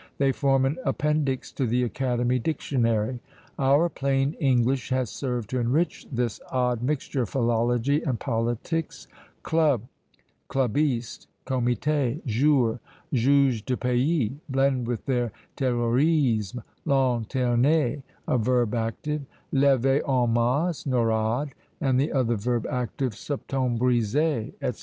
They form an appendix to the Academy Dictionary. Our plain English has served to enrich this odd mixture of philology and politics: Club, clubiste, comité, jure, juge de paix, blend with their terrorisme, lanterner, a verb active, lévee en masse, noyades, and the other verb active, septembriser, &c.